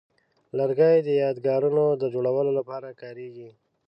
لرګی د یادګارونو د جوړولو لپاره کاریږي.